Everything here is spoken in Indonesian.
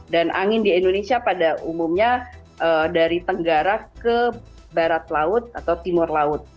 dan angin di indonesia pada umumnya dari tenggara ke barat laut atau timur laut